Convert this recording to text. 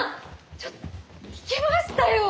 ちょっと聞きましたよ！